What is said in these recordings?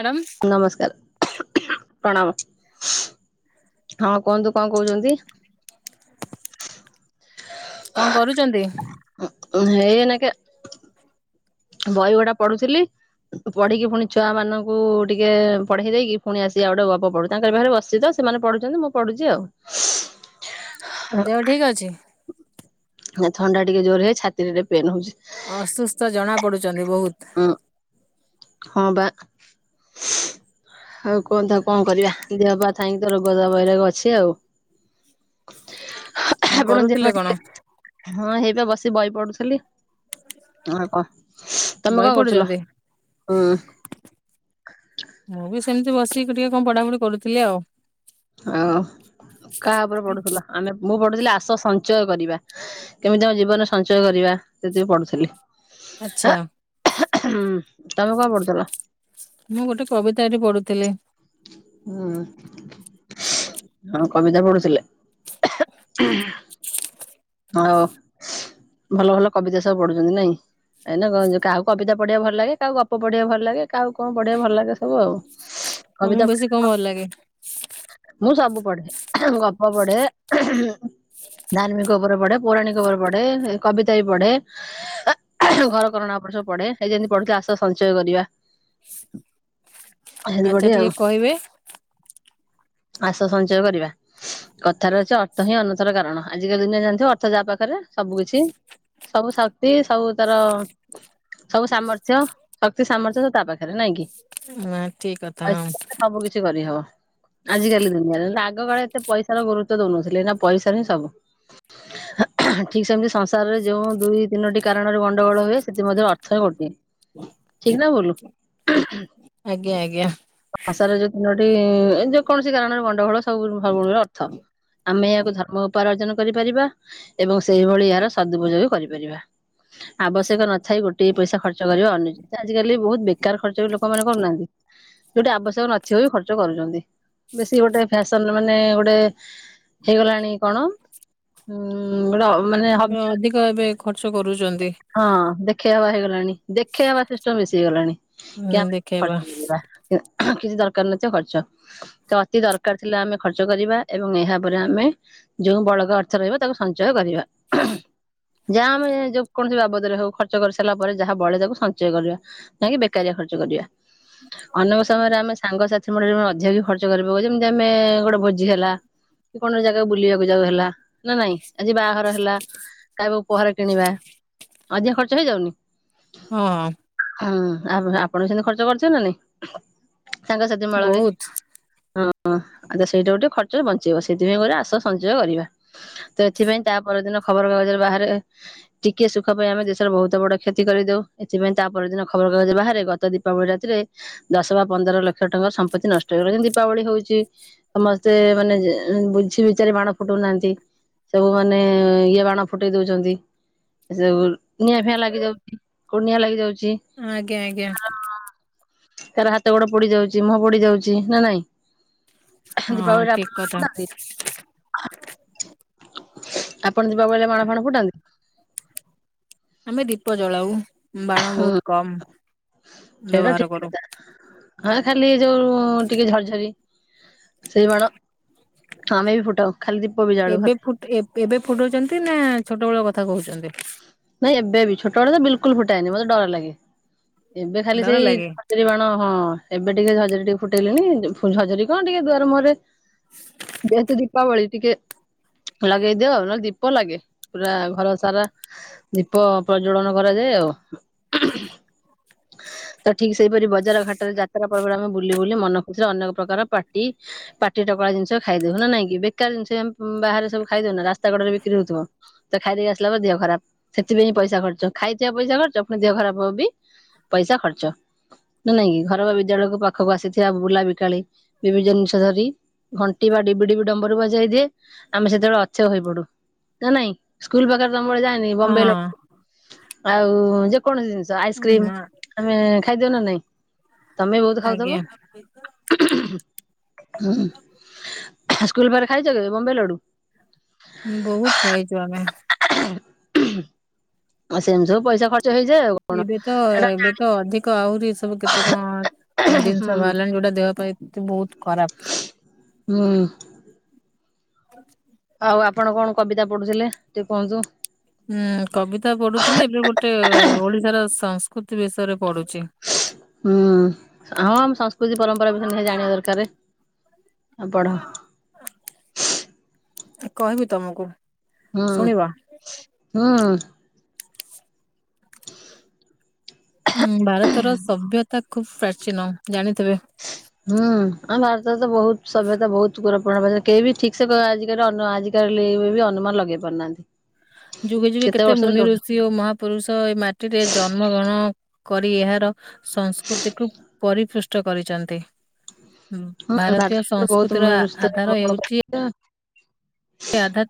Hello. ନମସ୍କାର। ହଁ କୁହନ୍ତୁ କଣ କହୁଛନ୍ତି? କଣ କରୁଛନ୍ତି? ହେଇ ଏଇ ନା କେ। ବହି ଗୋଡ଼ା ପଢୁଥିଲି ପଢିକି ପୁଣି ଛୁଆ ମାନଙ୍କୁ ଟିକେ ପଢେଇ ଦେଇକି ପୁଣି ଆସିକି। ଆଉ ଗୋଟେ ଗପ ପଢୁ ତାଙ୍କର ବାହରେ ବସି ତ ସେମାନେ ପଢୁଛନ୍ତି ମୁଁ ପଢୁଛି ଆଉ। ଦେହ ଠିକ୍ ଅଛି? ଥଣ୍ଡା ଟିକେ ଜୋର ହେଇ ଛାତିରେ ପେନ୍ ହଉଛି ଅସୁସ୍ଥ ଜଣା ପଡୁଚୁ। ଛନ୍ତି ବହୁତ୍। ହୁଁ ହଁ ବା ଆଉ କୁହନ୍ତୁ ଆଉ କଣ କରିବା। ଦେହ ପା ଥାଇକି ତ ରୋଗବୈରାଗ ଅଛି ଆଉ। ହଁ କଣ ଆପଣ ଦେହ କରୁଥିଲେ ପା କଣ ଟିକେ ହଁ ଏଇ ପା ଟିକେ ବହି ପଢୁଛି। [inaudible] ବହି ପଢୁଛନ୍ତି ମୁଁ ବି ସେମିତି ବସିକି ଟିକେ କଣ ପଢାପଢି କରୁଥିଲି ଆଉ। ଆଉ କା ବହି ପଢୁଥିଲ? ଆସ ସଞ୍ଚୟ କରିବା କେମିତି ଆମ ଜୀବନରେ ସଞ୍ଚୟ କରିବା ସେଥି ପାଇଁ ପଢୁଥିଲି। ଆଚ୍ଛା। ହୁଁ ତମେ କଣ ପଢୁଥିଲ? ମୁଁ ଗୋଟେ କବିତା ଏଠି ପଢୁଥିଲି। ହୁଁ ହଁ କବିତା ପଢୁଥିଲେ। ହଁ ଭଲ ଭଲ କବିତା ସବୁ ପଢୁଛନ୍ତି ନାଇଁ। ଏଇନା କାହା କୁ କବିତା ପଢିବା କୁ ଭଲ ଲାଗେ। କାହା କୁ ଗପ ପଢିବା କୁ ଭଲ ଲାଗେ। କାହା କୁ କଣ ଭଲ ଲାଗେ ସବୁ ଆଉ। ତମ କବିତା କୁ ବେସି କଣ ଭଲ ଲାଗେ? ମୁଁ ସବୁ ଗପ ପଢେ [inaudible] ଧା ଖବର ପଢେ, ପୌରାଣିକ ଖବର ପଢେ କବିତା ବି ପଢେ। ଘର କରଣା ଉପରେ ସବୁ ପଢେ ଏ ଯେମିତି ପଢୁଥିଲେ ଆସ ସଞ୍ଚୟ କରିବା। ସେମିତି ପଢେ ଆଚ୍ଛା ଟିକେ ଆଉ କହିବେ। ଆସ ସଞ୍ଚୟ କରିବା, କଥାରେ ଅଛି ଅର୍ଥ ହିଁ ଅନର୍ଥର କାରଣ ଆଜି [inaudible] ଦୁନିଆ ଜାଣିଥିବ ଅର୍ଥ ଯାହା ପାଖରେ ସବୁ କିଛି, ସବୁ ଶକ୍ତି ସବୁ ତାର ସବୁ ସାମର୍ଥ୍ୟ, ଶକ୍ତି ସାମର୍ଥ୍ୟ ସବୁ ତା ପାଖରେ, ନାଇଁ କି? ନା ଠିକ କଥା ହଁ [inaudible] ସବୁକିଛି କରିହେବ। ଆଜିକାଲି ଦୁନିଆରେ ନହେଲେ ଆଗ କାଳ ଏତେ ପଇସାର ଗୁରୁତ୍ୱ ଦଉନଥିଲେ ଏଇନା ପଇସାରେ ହିଁ ସବୁ। ଠିକ୍‌ ସେମିତି ସଂସାରରେ ଯେଉଁ ଦୁଇ, ତିନୋଟି କାରଣରୁ ଗଣ୍ଡଗୋଳ ହୁଏ ସେଥି ମଧ୍ୟରେ ଅର୍ଥ ହିଁ ଗୋଟିଏ, ଠିକ ନା ଭୁଲ୍? ଆଜ୍ଞା ଆଜ୍ଞା। ଆଶାର ଯୋଉ ତିନୋଟି ଯେକୌଣସି କାରଣରୁ ଗଣ୍ଡଗୋଳ ସବୁ ସବୁରି ମୂଳେ ଅର୍ଥ ଆମେ ଏହାକୁ ଧର୍ମ ଉପାୟରେ ଅର୍ଜନ କରିପାରିବା ଏବଂ ସେଇଭଳି ଏହାର ସଦୁପଯୋଗ କରିପାରିବା, ଆବଶ୍ୟକ ନଥାଇ ଗୋଟିଏ ପଇସା ଖର୍ଚ୍ଚ କରିବା ଅନୁଚିତ ଆଜିକାଲି ବହୁତ ବେକାର ଖର୍ଚ୍ଚ ବି ଲୋକମାନେ କରୁନାହାନ୍ତି ଯୋଉଠି ଆବଶ୍ୟକ ନଥିବ ବି ଖର୍ଚ୍ଚ କରୁଛନ୍ତି ବେଶୀ ଗୋଟେ ଫେସନ୍ ମାନେ ଗୋଟେ ହେଇଗଲାଣି କଣ? ଉଁ ଉଁ ଉଁ [unintelligible] ମାନେ ଏବେ ହମ୍, ଅଧିକ ଏବେ ଖର୍ଚ୍ଚ କରୁଛନ୍ତି। ହଁ ଦେଖେଇ ହବା ହେଇଗଲାଣି, ଦେଖେଇ ହବା ସିଷ୍ଟମ୍ ବେଶି ହେଇଗଲାଣି, ହୁଁ କି ଦେଖେଇବା [inaudible] କିଛି ଦରକାର ନଥିବ ଖର୍ଚ୍ଚ, ତ ଅତି ଦରକାର ଥିଲେ ଆମେ ଖର୍ଚ୍ଚ କରିବା ଏବଂ ଏହା ପରେ ଆମେ ଯୋଉ ବଳଗା ଅ [inaudible] ରହିବ ତାକୁ ସଞ୍ଚୟ କରିବା, ଯାହା ଆମେ ଯେ କୌଣସି ବାବଦରେ ହଉ ଖର୍ଚ୍ଚ କରିସାରିଲା ପରେ ଯାହା ବଳେ ତାକୁ ସଞ୍ଚୟ କରିବା, ନାଇକି ବେକାରିଆ ଖର୍ଚ୍ଚ କରିବା, ଅନେକ ସମୟରେ ଆମେ ସାଙ୍ଗସାଥି ମେଳରେ ଅଧିକ ବି ଖର୍ଚ୍ଚ କରିପକଉ ଯେମିତି ଆମେ ଗୋଟେ ଭୋଜି ହେଲା କି କୌଣସି ଜାଗାକୁ ବୁଲିବାକୁ ଯାଉ ହେଲା। ନା ନାଇଁ? ଆଜି ବାହାଘର ହେଲା କାହା ପାଇଁ ଉପହାର କିଣିବା, ଅଧିକା ଖର୍ଚ୍ଚ ହେଇଯାଉନି? ହଁ ହୁଁ ଆପ ଆପଣ ସେମିତି ଖର୍ଚ୍ଚ କରୁଚ ନା ନାଇଁ? ସାଙ୍ଗସାଥି ମେଳରେ, ବହୁତ ହଁ। ହଁ ଆଉ ତ ସେଇଟା ଗୋଟେ ଖର୍ଚ୍ଚରୁ ବଞ୍ଚେଇବ ସେଥିପାଇଁ କହୁଚି ଆସ ସଞ୍ଚୟ କରିବା। ତ ଏଥିପାଇଁ ତା ପରଦିନ। ଖବର କାଗଜରେ ବାହାରେ, ଟିକିଏ ସୁଖ ପାଇଁ ଆମେ ଦେଶର ବହୁତ ବଡ କ୍ଷତି କରିଦଉ, ଏଥିପାଇଁ ତା ପରଦିନ ଖବରକାଗଜ ବାହାରେ ଗତ ଦୀପାବଳି ରାତିରେ ଦଶ ବା ପନ୍ଦର ଲକ୍ଷ ଟଙ୍କାର ସମ୍ପତ୍ତି ନଷ୍ଟ ହେଇଗଲା ଯେମତି ଦୀପାବଳି ହଉଛି ସମସ୍ତେ ମାନେ ଯେ ଏଁ ବୁଝି ବିଚାରି ବାଣ ଫୁଟଉ ନାହାଁନ୍ତି। ସବୁ ମାନେଏ ଇଏ ବାଣ ଫୁଟେଇ ଦଉଛନ୍ତି ସବୁ ନିଆଁଫିଆଁ ଲାଗିଯାଉଛି କୋଉଠି ନିଆଁ ଲାଗିଯାଉଛି। ଆଜ୍ଞା ଆଜ୍ଞା। କାହାର ହାତ ଗୋଡ ପୋଡି ଯାଉଛି ମୁହଁ ପୋଡି ଯାଉଛି ନା ନାଇଁ? ହଁ ହଁ ଦୀପାବଳିରେ ଠିକ ଆପଣ ବାଣ କଥା ଫୁଟାନ୍ତି? ଆପଣ ଦୀପାବଳିରେ ବାଣଫାଣ ଫୁଟାନ୍ତି? ଆମେ ଦୀପ ଜଳାଉ। ବାଣ ବହୁତ କମ୍, ସେଇଟା ଠିକ ବ୍ୟବହାର କରୁ। କଥା ହଁ ଖାଲି ଯୋଉଉଉ ଟିକେ ଝରଝରି। ସେଇ ବାଣ, ଆମେ ବି ଫୁଟାଉ। ଖାଲି ଦୀପ ବି ଜାଳୁ ଘରେ ଏବେ ଫୁଟ୍ ଏବେ ଫୁଟଉଚନ୍ତି ନା ଛୋଟବେଳ କଥା କହୁଛନ୍ତି? ନାଇଁ ଏବେ ବି। ଛୋଟବେଳେ ତ ବିଲକୁଲ୍ ଫୁଟାଏନି ମତେ ଡର ଲାଗେ। ଏବେ ଖାଲି ଡର ଲାଗେ ସେଇ [inaudible] ବାଣ ହଁ ଏବେ ଟିକେ ଝରଝରୀ ଟିକେ ଫୁଟେଇଲିଣି ଫୁଲ୍ ଝରଝରୀ କଣ ଟିକେ ଦୁଆର ମୁହଁରେ ଯେହେତୁ ଦୀପାବଳି ଟିକେ ଲଗେଇ ଦେଉ ନହେଲେ ଦୀପ ଲାଗେ, ପୁରା ଘର ସାରା। ଦୀପ ପ୍ରଜ୍ଜ୍ଵଳନ କରାଯାଏ ଆଉ, ତ ଠିକ ସେଇପରି ବ ବଜାର ଘାଟରେ ଯାତ୍ରା ପର୍ବରେ ଆମେ ବୁଲି ବୁଲି ମନ ଏଥିରେ ଅନେକ ପ୍ରକାର ପାଟି ପାଟି ଟାକୁଆଳ ଜିନିଷ ଖାଇଦଉ ନା ନାଇଁକି ବେକାର ଜିନିଷ ଏ ଆମ ଉଁ ବାହାରେ ସବୁ ଖାଇଦଉନା ରାସ୍ତା କଡରେ ବିକ୍ରି ହଉଥିବ। ତ ଖାଇ ଦେଇକି ଆସିଲା ପରେ ଦେହ ଖରାପ ସେଥିପାଇଁ ପଇସା ଖର୍ଚ୍ଚ ଖାଇଥିବା ପଇସା ଖର୍ଚ୍ଚ ପୁଣି ଦେହ ଖରାପ ହବ ବି ପଇସା ଖର୍ଚ୍ଚ। ନା ନାଇଁ କି ଘର ବା ବିଦ୍ୟାଳୟକୁ ପାଖକୁ ଆସିଥିବା ବୁଲା ବିକାଳି ବିଭିି ଜିନିଷ ଧରି ଘଣ୍ଟି ବା ଡିବି ଡିିବି ଡମ୍ବରୁ ବଜେଇ ଦିଏ ଆମେ ସେତେବେଳେ ଅଥୟ ହୋଇ ପଡୁ। ନା ନାଇଁ ସ୍କୁଲ ପାଖରେ ତମ [unintelligible] ଜାଣି ହଁ ବମ୍ବେଇ ଲ ଆଉ ଯେ କୌଣସି ଜିନିଷ ଆଇସ୍କ୍ରିମ ହଁ ଆମେ ଖାଇଦଉ ନା ନାଇଁ ତମେ ବହୁତ ଖାଉଥବ? ଆଜ୍ଞା ସ୍କୁଲ ପାଖରେ ଖାଇଚ କେବେ ବମ୍ବେଇ ଲଡୁ? ହ ବହୁତ ଖାଇଛୁ ଆମେ ଆ ସେ ଏମ ସୁ ଏବେ ତ ଏବେ ତ ଅଧିକ ଆହୁରି ସବୁ କେତେ କଣ ଜିନିଷ ହୁଁ ବାହାରଲାାଣି ଯୋଉଟା ଦେହ ପାଇଁ ଏ ବହୁତ ଖରାପ। ହୁଁ ହ। ଆଉ ଆପଣ କଣ କବିତା ପଢୁଥିଲେ ଟିକେ କୁହନ୍ତୁ। ଉଁ କବିତା ପଢୁଥିଲି ଏବେ ଗୋଟେ ଓଡିଶାର ସଂସ୍କୃତି ବିଷୟରେ ପଢୁଛି। ହୁଁ ହଁ ଆମ ସଂସ୍କୃତି ପରମ୍ପରା ବିଷୟରେ ନିହାତି ଜଣିବା ଦରକାର। ଆପଢ କହିବି ତମକୁ। ହଁ ଶୁଣିବ ହୁଁ। ହଁ ଭାରତର ସଭ୍ୟତା ଖୁବ ପ୍ର ନ ଜାଣି ହୁଁ ଆମ ଭାରତରେ ତ ବହୁତ ସଭ୍ୟତା ବହୁତ ଗର ଆପ କେବେ ବି ଠିକ ସେ ଆ ଆାଲି ଅନୁମାନ ଲଗେଇ ପାରୁନାହାନ୍ତି। ଯୁଗେ ଯୁଗେ କେତେ ବର୍ଷରେ ମୁନି କେଉଁଠୁ ଋଷି ଓ ମହାପୁରୁଷ ଏଇ ମାଟିରେ ଜନ୍ମ ଗ୍ରହଣ। କରି ଏହାର ସଂସ୍କୃତିକୁୁ ପରିପୃଷ୍ଟ। କରିଛନ୍ତି। ହଁ ଭାରତୀୟ ବହୁତ ସଂସ୍କୃତିର ମ ସେ ଆଦଦ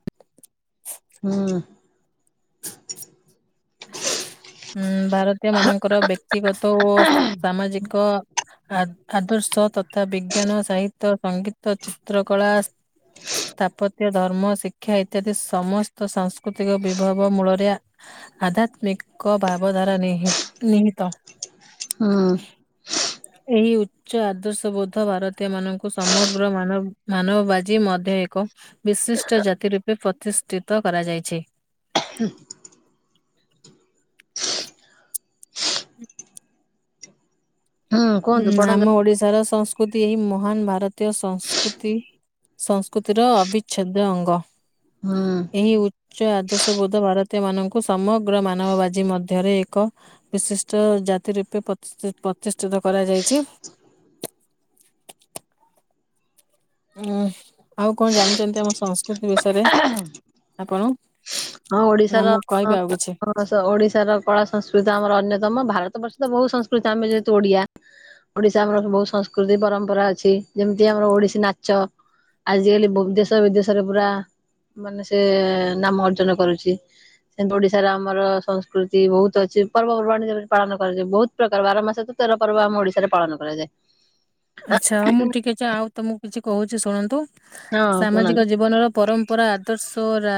ହୁଁ ଭାରତୀୟ ମାନଙ୍କର ବ୍ୟକ୍ତିଗତ ଓ ସାମାଜିକ। ଆ ଆଦର୍ଶ ତଥା ବିଜ୍ଞାନ ସାହିତ୍ୟ ସଙ୍ଗୀତ ଚିତ୍ର କଳା ସ୍ଥାପତ୍ୟ ଧର୍ମ ଶିକ୍ଷା ଇତ୍ୟାଦି ସମସ୍ତ ସାଂସ୍କୃତିକ ବିଭବ ମୂଳରେ ଆଧ୍ୟାତ୍ମିକ। କ ଭାଇବ ଧାରା ନିହି ନିହିତ। ହୁଁ ଏହି ଉଚ୍ଚ ଆଦର୍ଶ ବୋଧ ଭାରତୀୟ ମାନଙ୍କୁ ସମଗ୍ରାନ ମାନବବାଜିୀ ମଧ୍ୟ ଏକ ବିଶିଷ୍ଟ ଜାତି ରୂପେ ପ୍ରତିଷ୍ଠିତ କରାଯାଇଛି। କୁହନ୍ତୁ ହୁଁ ପଢନ୍ତୁ ଆମ ଓଡିଶାର ସଂସ୍କୃତି ଏହି ମହାନ ଭାରତୀୟ ସଂସ୍କୃତି ସଂସ୍କୃତିର ଅବିଚ୍ଛେଦ ଅଙ୍ଗ ହୁଁ ଏହି ଉଚ୍ଚ ଆଦର୍ଶ ବୋଧ ଭାରତୀୟ ମାନଙ୍କୁ ସମଗ୍ର ମାନବବାଜିୀ ମଧ୍ୟରେ ଏକ ବିଶିଷ୍ଟ ଜାତି ରୂପେ ପ୍ରତିଷ୍ଠ ପ୍ରତିଷ୍ଠିତ। କରାଯାଇଛି। ଉଁ ଆଉ କଣ ଜାଣିଛନ୍ତି ଆମ ସଂସ୍କୃତି ବିଷୟରେ ଆପଣ ହଁ ନା ଓଡିଶାର ମୁଁ କହିବି ଆଉ କିଛି? ଓଡିଶାର କଳା ସଂସ୍କୃତି ଆମର ଅନ୍ୟ ତମ ଭାରତ ବର୍ଷ ତ ବହୁତ ସଂସ୍କୃତି ଆମେ ଯେହେତୁ ଓଡିଆ। ଓଡିଶା ଆମର ବହୁ ସଂସ୍କୃତି ପରମ୍ପରା ଅଛି। ଯେମିତି ଆମର ଓଡିଶୀ ନାଚ ଆଜିକାଲି ଦେଶ ବିଦେଶରେ ପୁରା ମାନେ ସେ ନାମ ଅର୍ଜନ କରୁଛି। ତ ସେମତି ଓଡିଶାରେ ଆମର ସଂସ୍କୃତି ବହୁତ ଅଛି। ପର୍ବପର୍ବାଣିୀ ପାଳନ କରାଯାଏ। ବହୁତ ପ୍ରକାର ବାର ମାସ ତ ତେର ପର୍ବ ଆମ ଓଡିଶାରେ ପାଳନ କରାଯାଏ। ଆଚ୍ଛା ହଉ ମୁଁ ଟିକେ [unintelligible] ଆଉ ତମକୁ କିଛି କହୁଛି ଶୁଣନ୍ତୁ। ହଁ ଶୁଣନ୍ତୁ ସାମାଜିକ ଜୀବନର ପରମ୍ ପୁରା ଆଦର୍ଶ ରା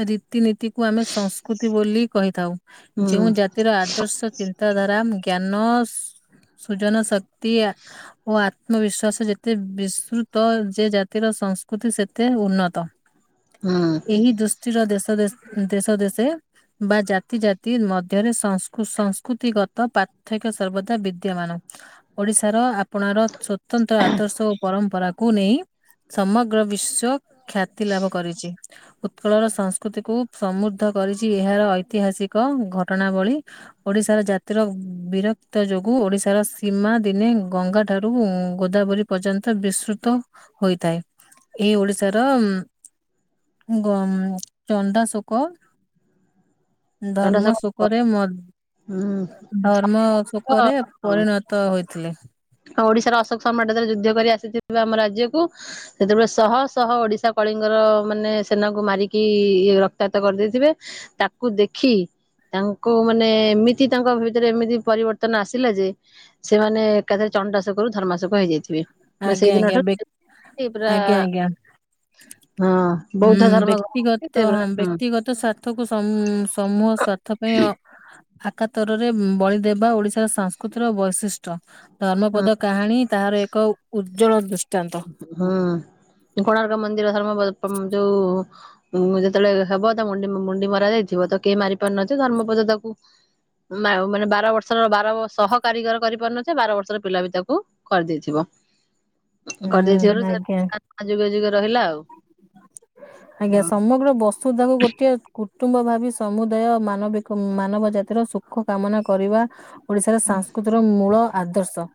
ରି ରୀତି ନୀତିକୁୁ ଆମେ ସଂସ୍କୃତି ବୋଲି କହିଥାଉ। ହୁଁ ଯେଉଁ ଜାତିର ଆଦର୍ଶ ଚିନ୍ତାଧାରା ଜ୍ଞାନ ସୁଜନ ଶକ୍ କ୍ତି ଆ ଆତ୍ମବିଶ୍ଵାସ ଯେତେ ବିସ୍ତୃତ ଯେ ଜାତିର ସଂସ୍କୃତି ସେତେ ଉନ୍ନତ। ହୁଁ ଏହି ଦୁସ୍ ର ଦେଶ ଦେ ଦେଶ ଦେଶେ ବା ଜାତି ଜାତି ମଧ୍ୟରେ ସଂ ସଂସ୍କୃତି ଗତ ପାର୍ଥକ୍ୟ ସର୍ବଦା ବିଦ୍ୟମାନ ଓଡିଶାର ଆ ଆପଣା ର ଛୋ ତନ୍ତ ଆଦର୍ଶ ଓ ପରମ୍ପରା କୁ ନେଇ ସମଗ୍ର ବିଶ୍ଵ ଖ୍ୟାତି ଲାଭ କରିଛି। ଉତ୍କଳର ସଂସ୍କୃତିକୁ ସମୃଦ୍ଧ କରିଛି ଏହାର ଐତିହାସିକ ଘଟଣାବଳୀ। ଓଡିଶାର ଜାତିର ବିରକ୍ତ ଯୋଗୁଁ ଓଡିଶାର ସୀମା ଦିନେ ଗଙ୍ଗା ଠାରୁ ଗୋଦାବରୀ ପର୍ଯ୍ୟନ୍ତ ବିସ୍ତୃତ ହୋଇଥାଏ। ଏଇ ଓଡିଶାର ଗ ଚଣ୍ଡାଶୋକ ଧର୍ମ ଚଣ୍ଡାଶୋକ ପର୍ବ ଶୋକରେ ମ୍ ହୁଁ ଧର୍ମ ଶୋକରେ ପରିଣତ ହୋଇ ଥିଲେ। ଓଡ଼ିଶାର ଅଶୋକ ସମ୍ରାଟ ଯେତେବେଳେ ଯୁଦ୍ଧ କରି ଆସିଥିବେ ଆମ ରାଜ୍ୟକୁ ସେତେବେଳେ ଶହ ଶହ ଓଡ଼ିଶା କଳିଙ୍ଗର ମାନେ ସେନାକୁ ମାରିକି ରକ୍ତାତ କରିଦେଇଥିବେ ତାକୁ ଦେଖି ତାଙ୍କୁ ମାନେ ଏମିତି ତାଙ୍କ ଭିତରେ ଏମିତି ପରିବର୍ତ୍ତନ ଆସିଲା ଯେ ସେମାନେ ଏକାଥରେ ଚଣ୍ଡାଶୋକରୁ ଧର୍ମାସକ ହୋଇଯାଇଥିବେ। ଆଜ୍ଞା ଆଜ୍ଞା ବ୍ୟକ୍ ଆଜ୍ଞା ଆଜ୍ଞା ହଁ ହୁଁ ବୌଦ୍ଧ ଧର୍ମ ଗ୍ରହଣ କରି ବ୍ୟକ୍ତିଗତ ସେ ହଁ ପୁରା ହୁଁ ବ୍ୟକ୍ତିଗତ ସ୍ୱାର୍ଥକୁ ସମ୍ ସମୂହ ସ୍ୱାର୍ଥ ପାଇଁ ଅ ଆକାତରରେ ବଳି ଦେବା ଓଡିଶାର ସାସ୍କୃତିର ବୈଶିଷ୍ଟ୍ୟ। ଧର୍ମପଦ କାହାଣୀ ତାହାର ଏକ ଉ ଉଜ୍ଜ୍ୱଳ ଦୃଷ୍ଟ ହୁଁ କୋଣାର୍କ ମନ୍ଦିର ଧର୍ମପଦ ଯୋଉ ଉଁ ଯେତେବେଳେ ହେବ ତା ମୁଣ୍ଡି ମୁଣ୍ଡି ମରା ଯାଇଥିବ ତ କେହି ମାରି ପାରୁନଥବେ ଧର୍ମପଦ ତାକୁ ମାନେ ବାର ବର୍ଷର ବାର ସହ କାରିଗର କରିପାରୁନଥିଲେ ବାର ବର୍ଷର ପିଲା ବି ତାକୁ କରିଦେଇଥିବ। ଉଁ କରିଦେଇଥିବାରୁ ଆଜ୍ଞା। [unintelligible] ଯୁଗେ ଯୁଗେ ରହିଲା ଆଉ। ସ୍ତୁ କୁ ଗୋଟିଏ କୁ କୁଟୁମ୍ବ ଭାବି ସମୁଦାୟ ମାନବିକ ମାନବ ଜାତିର ସୁଖ କାମନା କରିବା ଓଡ଼ିଶାର ସାଂସ୍କୃତିର ମୂଳ ଆଦର୍ଶ।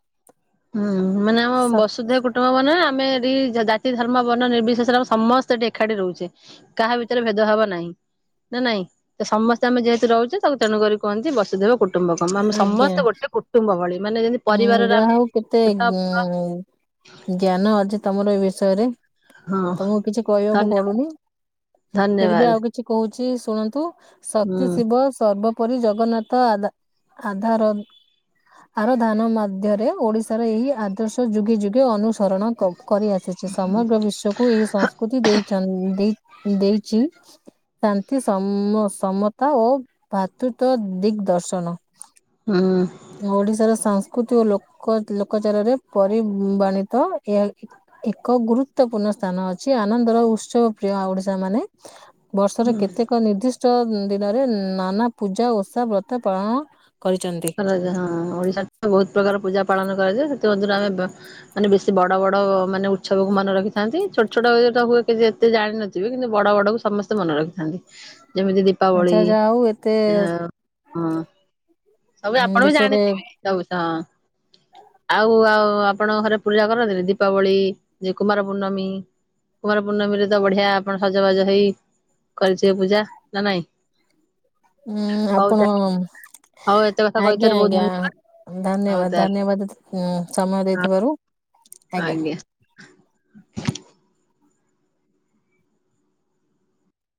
ହୁଁ ମାନେ ଆମ ସତ ବସୁଧୈବ କୁଟୁମ୍ବ ମାନେ ଆମେ ଜାତି ଧର୍ମ ବର୍ଣ୍ଣ ନିର୍ବିଶେଷରେ ସମସ୍ତେ ଏଠି ଏକାଠି ରହୁଛେ କାହା ଭିତରେ ଭେଦଭାବ ନାହିଁ ନା ନାଇଁ ତ ସମସ୍ତେ ଆମେ ଯେହେତୁ ରହୁଛେ ତାକୁ ତେଣୁକରି କୁହନ୍ତି ବସଧୈବ କୁଟୁମ୍ବକମ୍ ଆମେ ସମସ୍ତେ ଗୋଟେ କୁଟୁମ୍ବ ଭଳି ମାନେ ଯେମିତି ହୁଁ ପରିବାରରେ ଯାହା ଆମେ ହଉ କି ଛୋଟ ବଡ ଜ୍ଞାନ ଅଜ ତମର ଏ ବିଷୟରେ ହଁ ତମକୁ କିଛି କହିବାକୁ ଧନ୍ୟବାଦ ପଡୁନି ଫିର୍ରବି ଧନ୍ୟବାଦ ଆଉ କିଛି କହୁଛି କି ଶୁଣନ୍ତୁ ହୁଁ ଶକ୍ତି ଶିବ ସର୍ବ ପରି ଜଗନ୍ନାଥ ଆଧା ଆଧାର ଆର ଧାନ ମାଧ୍ୟରେ ଓଡିଶାର ଏହି ଆଦର୍ଶ ଯୁଗେ ଯୁଗେ ଅନୁ ଧରଣ କ-କରିଆସିଚି ସମଗ୍ର ବିଶ୍ୱକୁ ଏହି ସଂସ୍କୃତି ଦେଇ ଚନ୍ ଦେଇ ଦେଇଚି ଶାନ୍ତି ସମ ସମତା ଓ ଭ୍ରାତୃତ୍ୱ ଦିଗ୍ଦର୍ଶନ। ହୁଁ। ଓଡିଶାର ସଂସ୍କୃତି ଓ ଲୋକ ଲୋକଚରରେ ପରିଵାଣିତ ଏହା ଏକ ଗୁରୁତ୍ୱପୂର୍ଣ୍ଣ ସ୍ଥାନ ଅଛି ଆନନ୍ଦର ଉତ୍ସବ ପ୍ରିୟ ଓଡିଶା ମାନେ ବର୍ଷରେ କେତେକ ନିର୍ଦ୍ଦିଷ୍ଟ ନାନା ପୂଜା, ଓଷା, ବ୍ରତ ପାଳନ କରିଚନ୍ତି। ହ ଓଡିଶା ବହୁତ ପ୍ରକାର ପୂଜା ପାଳନ କରାଯାଏ । ସେଥିମଧ୍ୟରୁ ଆମେ ମାନେ ବେଶୀ ବଡ ବଡ ମାନେ ଉତ୍ସବକୁ ମନେ ରଖିଥାନ୍ତି ଛୋଟ ଛୋଟ ତାକୁ ଏତେ ଜାଣିନଥିବେ କିନ୍ତୁ ବଡ ବଡକୁ ସମସ୍ତେ ମନେ ରଖିଥାନ୍ତି। ଯେମିତି ଦୀପାବଳି ଆଚ୍ଛା ଯାହା ହଉ ଏତେ ଆ ହଁ ସବୁ ଆପଣ ବି ବିଷୟରେ ଜାଣିଥିବେ ସବୁ ହଁ ଆଉ ଆଉ ଆପଣଙ୍କ ଘରେ ପୂଜା କରନ୍ତିିନୀ ଦୀପାବଳି ଯେ କୁମାର ପୂର୍ଣ୍ଣମୀ କୁମାର ପୂର୍ଣ୍ଣମୀରେ ତ ବଢିଆ ଆପଣ ସଜବାଜ ହେଇ କରିଥିବେ ପୂଜା ନା ନାଇଁ? ହୁଁ ହଉ ଆପଣ ତାହେଲେ ହଉ ଏତେ କଥା ଆଜ୍ଞା କହିଥିଵାରୁ ବହୁତ ଆଜ୍ଞା ଧନ୍ୟବାଦ। ହଉ ଧନ୍ୟବାଦ ଧନ୍ୟବାଦ ସମୟ ତାହେଲେ ଦେଇଥିଵାରୁ। ଆଜ୍ଞା।